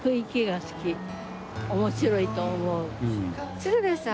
鶴瓶さん